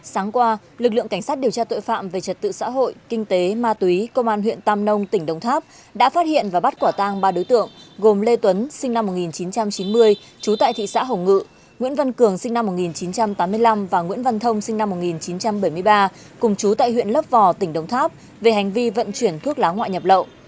sáng qua lực lượng cảnh sát điều tra tội phạm về trật tự xã hội kinh tế ma túy công an huyện tam nông tỉnh đông tháp đã phát hiện và bắt quả tang ba đối tượng gồm lê tuấn sinh năm một nghìn chín trăm chín mươi trú tại thị xã hồng ngự nguyễn văn cường sinh năm một nghìn chín trăm tám mươi năm và nguyễn văn thông sinh năm một nghìn chín trăm bảy mươi ba cùng trú tại huyện lớp vò tỉnh đông tháp về hành vi vận chuyển thuốc lá ngoại nhập lậu